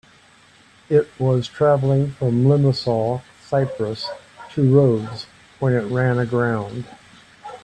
It was traveling from Limassol, Cyprus to Rhodes when it ran aground.